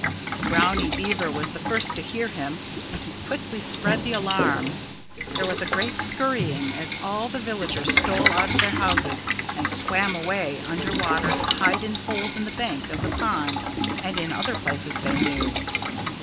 Brownie Beaver was the first to hear him and he quickly spread the alarm. There was a great scurrying as all the villagers stole out of their houses and swam away under water to hide in holes in the bank of the pond and in other places they knew.